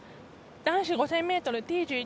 男子５０００ｍＴ１１